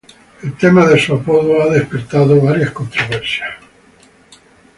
El tema de su apodo ha despertado varias controversias.